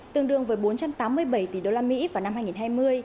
tương đương với bốn trăm tám mươi bảy tỷ usd vào năm hai nghìn hai mươi